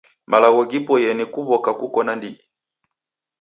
Malagho ghiboiye ni kuw'oka kuko na ndighi.